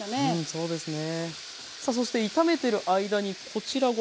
そうですね。